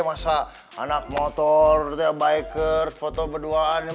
masa anak motor biker foto berduaan